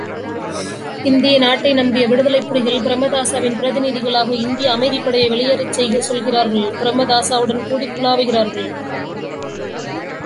இந்திய நாட்டை நம்பிய விடுதலைப்புலிகள், பிரேமதாசாவின் பிரதி நிதிகளாக இந்திய அமைதிப்படையை வெளியேறச் சொல்கிறார்கள் பிரேமதாசாவுடன் கூடிக் குலாவுகிறார்கள்.